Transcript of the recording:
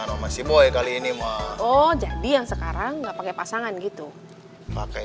awes means ini burganya yang kita sudah ambil ya tadi sudah bu qualité itu ya permessa dan